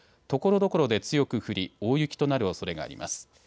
ところどころで強く降り大雪となるおそれがあります。